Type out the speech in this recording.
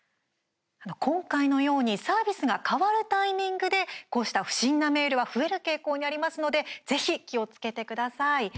今回のようにサービスが変わるタイミングでこうした不審なメールは増える傾向にありますのでぜひ気をつけてください。